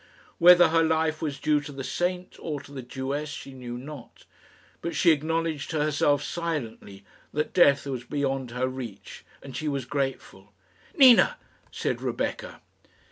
Whether her life was due to the saint or to the Jewess she knew not, but she acknowledged to herself silently that death was beyond her reach, and she was grateful. "Nina," said Rebecca.